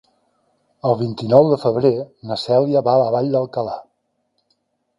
El vint-i-nou de febrer na Cèlia va a la Vall d'Alcalà.